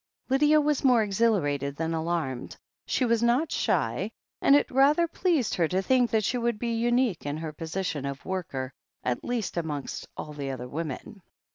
Lydia was more exhilarated than alarmed. She was not shy, and it rather pleased her to think that she would be unique in her position of worker, at least amongst all the other women.